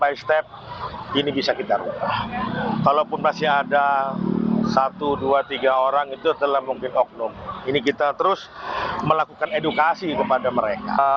ini bisa kita terus melakukan edukasi kepada mereka